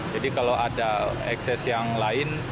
jadi kalau ada ekses yang lain